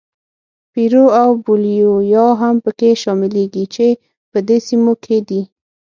پیرو او بولیویا هم پکې شاملېږي چې په دې سیمو کې دي.